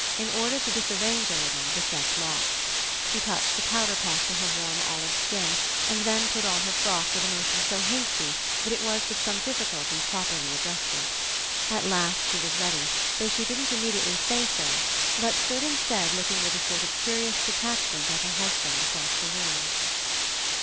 In order to disarrange a little the set locks. She touched a powder puff to her warm olive skin, and then put on her frock with a motion so hasty that It was with some difficulty properly adjusted. At last she was ready, though she didn't Immediately say so, but stood, Instead, looking with a sort of 92 RE ENCOUNTER curious detachment at her husband across the room.